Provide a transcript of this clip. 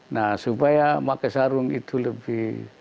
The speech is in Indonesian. nah supaya pakai sarung itu lebih